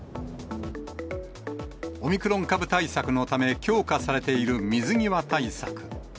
オミクロン株対策のため、強化されている水際対策。